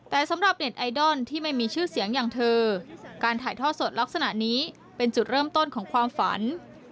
แต่สำหรับเด็ดไอดอลที่ไม่มีชื่อเสียงอย่างเธอการถ่ายทอดสดลักษณะนี้เป็นจุดเริ่มต้นของความฝัน